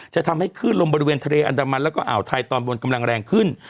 จะทำให้คลื่นลมบริเวณทะเลอันดามันแล้วก็อ่าวไทยตอนบนกำลังแรงขึ้น